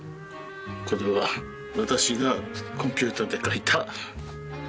これは私がコンピューターで描いた絵です。